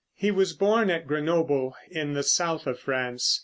He was born at Grenoble, in the south of France.